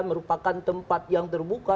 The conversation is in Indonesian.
merupakan tempat yang terbuka